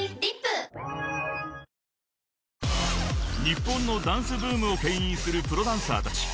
［日本のダンスブームをけん引するプロダンサーたち］